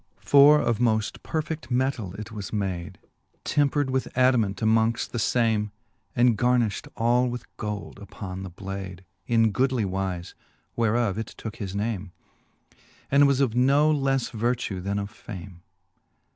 X. For of moft perfed metall it was made, . Tempred with adamant amongft the fame. And garniflit all with gold upon the blade Jn goodly wife, whereof it tooke his name, And was of no lelTe vertue, then of fame.